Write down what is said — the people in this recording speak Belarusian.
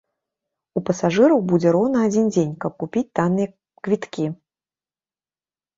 У пасажыраў будзе роўна адзін дзень, каб купіць танныя квіткі.